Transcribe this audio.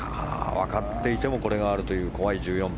わかっていてもこれがあるという怖い１４番。